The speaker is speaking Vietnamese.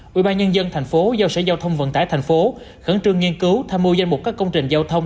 quỹ ban nhân dân tp hcm giao sở giao thông vận tải thành phố khẩn trương nghiên cứu tham mưu danh mục các công trình giao thông